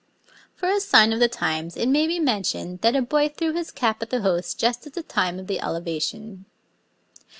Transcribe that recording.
For a sign of the times it may be mentioned that a boy threw his cap at the Host just at the time of the Elevation.